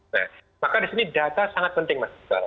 nah maka di sini data sangat penting mas iqbal